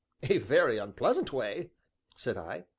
"A very unpleasant way!" said I.